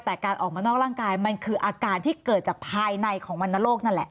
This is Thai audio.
แต่การออกมานอกร่างกายมันคืออาการที่เกิดจากภายในของวรรณโรคนั่นแหละ